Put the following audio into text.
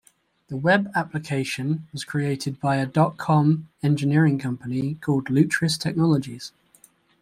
The web application was created by a dot com engineering company called Lutris Technologies.